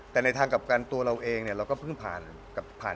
แต่ในทางกลับกันตัวเราเองเนี่ยเราก็เพิ่งผ่าน